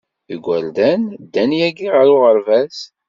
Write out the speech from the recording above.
Igerdan ddan yagi ɣer uɣerbaz.